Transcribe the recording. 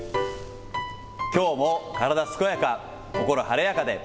きょうも体健やか、心晴れやかで。